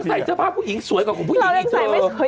น้ำใส่เจ้าภาพผู้หญิงสวยกว่าของผู้หญิงอีกเท่าไหร่